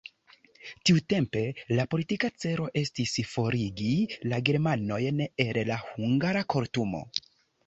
Tiutempe la politika celo estis forigi la germanojn el la hungara kortumo.